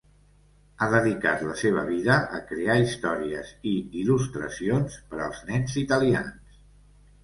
Ha dedicat la seva vida a crear històries i il·lustracions per als nens italians.